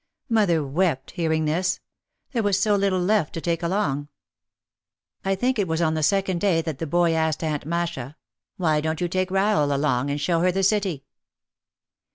Mother wept, hearing this. There was so little left to take along. I think it was on the second day that the boy asked Aunt Masha, "Why don't you take Rahel along and show her the City?"